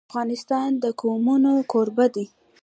افغانستان د قومونه کوربه دی.